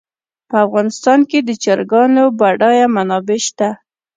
په افغانستان کې د چرګانو بډایه منابع شته.